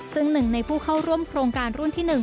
ซึ่งหนึ่งในผู้เข้าร่วมโครงการรุ่นที่๑